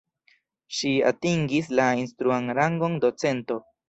Ŝi atingis la instruan rangon docento.